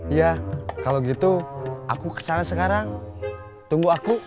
iya kalau gitu aku kesana sekarang tunggu aku